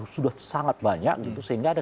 sudah sangat banyak gitu sehingga ada